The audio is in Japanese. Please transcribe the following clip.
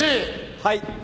はい。